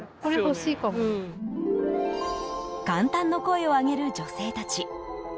感嘆の声を上げる女性たち。